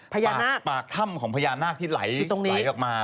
พยานักปากถ้ำของพยานักที่ไหลออกมา